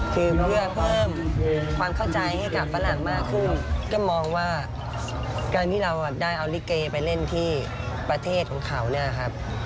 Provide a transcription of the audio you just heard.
คือเพื่อเพิ่มความเข้าใจให้กับฝรั่งมากขึ้นก็มองว่าการที่เราได้เอาลิเกไปเล่นที่ประเทศของเขาเนี่ยครับ